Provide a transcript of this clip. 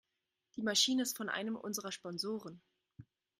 Die Maschine ist von einem unserer Sponsoren.